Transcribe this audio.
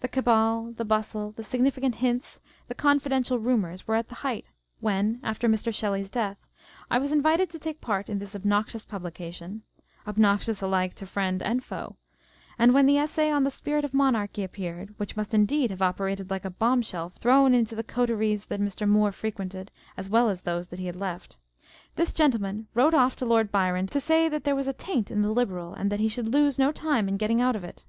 The cabal, the bustle, the significant hints, the confidential rumours were at the height when, after Mr. Shelley's death, I was invited to take part in this obnoxious publication (ob noxious alike to friend and foe) â€" and when the Essay on the Spirit of Monarchy appeared, (which must indeed have operated like a bomb shell thrown into the coteries that Mr. Moore frequented, as well as those that he had left,) this gentleman wrote off to Lord Byron, to say that " there was a taint in the Liberal, and that he should lose no time in getting out of it."